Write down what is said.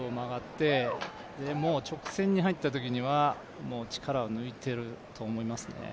直線に入ったときには、もう力を抜いていると思いますね。